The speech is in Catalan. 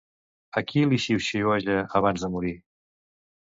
A qui li xiuxiueja abans de morir?